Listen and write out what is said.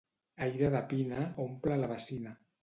Aire de Pina omple la bacina.